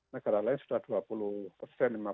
negara lain sudah dua puluh persen